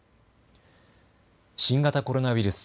新型コロナウイルス。